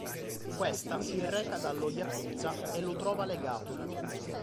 Questa si reca dallo yakuza e lo trova legato.